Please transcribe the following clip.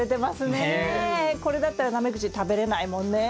これだったらナメクジ食べれないもんね。